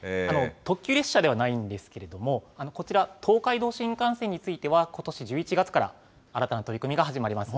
特急列車ではないんですけれども、こちら、東海道新幹線については、ことし１１月から新たな取り組みが始まります。